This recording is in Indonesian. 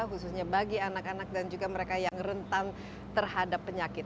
khususnya bagi anak anak dan juga mereka yang rentan terhadap penyakit